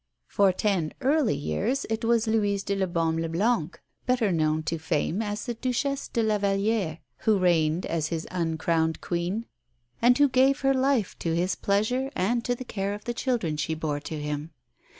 For ten early years it was Louise de la Baume Leblanc (better known to fame as the Duchesse de Lavallière) who reigned as his uncrowned Queen, and who gave her life to his pleasure and to the care of the children she bore to him.